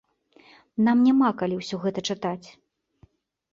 Нам няма калі ўсё гэта чытаць.